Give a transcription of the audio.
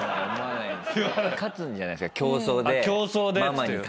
勝つんじゃないすか。